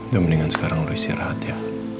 ya mendingan sekarang lo istirahat ya